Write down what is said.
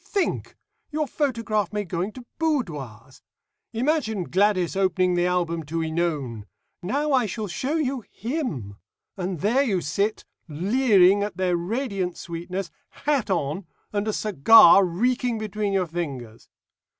Think! your photograph may go into boudoirs. Imagine Gladys opening the album to Ænone; 'Now I will show you him.' And there you sit, leering at their radiant sweetness, hat on, and a cigar reeking between your fingers.